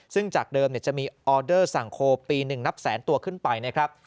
ซึ่งจากเดิมจะมีออเดอร์สั่งโคลปี๑นับแสนตัวขึ้นไปนะครับ